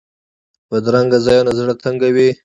بدرنګه ځایونه زړه تنګوي